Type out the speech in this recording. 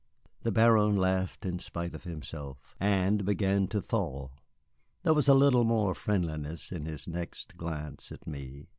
The Baron laughed in spite of himself, and began to thaw. There was a little more friendliness in his next glance at me.